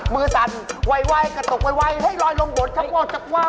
มือสั่นไวว้กระตุกไวให้รอยลงบนชักว่าชักว่า